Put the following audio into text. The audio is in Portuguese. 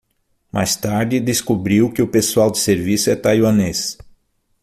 Mais tarde descobriu que o pessoal de serviço é taiwanês